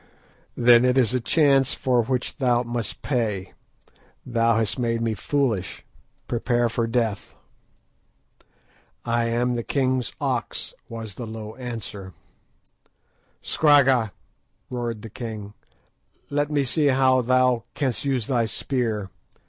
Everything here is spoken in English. "Then it is a chance for which thou must pay. Thou hast made me foolish; prepare for death." "I am the king's ox," was the low answer. "Scragga," roared the king, "let me see how thou canst use thy spear.